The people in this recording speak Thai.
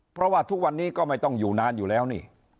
เพราะว่าทุกวันนี้ก็ไม่ต้องอยู่นานอยู่แล้วนี่